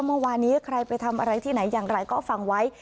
เมื่อวานนี้ใครไปทำอะไรที่ไหนอย่างไรก็ฟังไว้